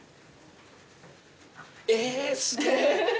えっすげえ。